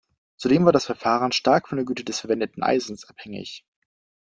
Zudem war das Verfahren stark von der Güte des verwendeten Eisens abhängig.